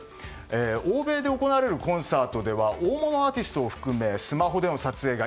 欧米で行われるコンサートでは大物アーティストを含めスマホでの撮影が